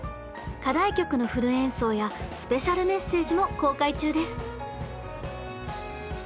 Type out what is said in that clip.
課題曲のフル演奏やスペシャルメッセージも公開中です！